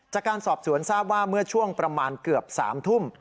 จากการสอบสวนทราบว่าเมื่อช่วงประมาณเกือบ๓ทุ่ม